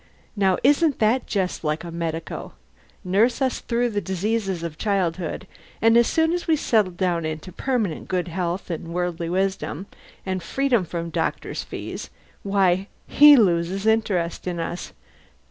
Now isn't that just like a medico? Nurse us through the diseases of childhood, and as soon as we settle down into permanent good health and worldly wisdom, and freedom from doctors' fees, why he loses interest in us!